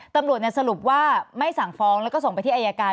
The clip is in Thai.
ตำรวจสรุปว่าไม่สั่งฟ้องแล้วก็ส่งไปที่อายการ